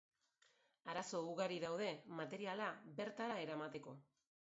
Arazo ugari daude materiala bertara eramateko.